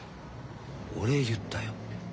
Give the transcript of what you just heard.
お礼言ったよ。